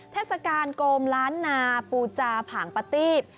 เทศกาลโกมล้านนาปูจาผางประตีบ